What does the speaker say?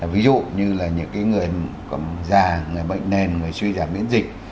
ví dụ như là những người già người bệnh nền người suy giả biến dịch